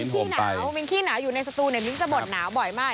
ขี้หนาวมิ้นขี้หนาวอยู่ในสตูเนี่ยมิ้นจะบ่นหนาวบ่อยมาก